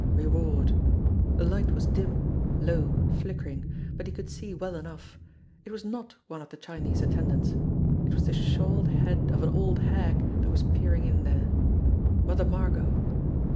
Reward ! The light was dim, low, flickering, but he could ee well enough. It was not one of the Chinese attendants. It was the shawled head of an old hag that was peering in there. Mother Margot